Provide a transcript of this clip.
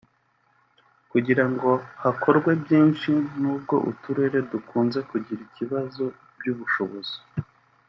kugira ngo hakorwe byinshi n’ubwo uturere dukunze kugira ikibazo by’ubushobozi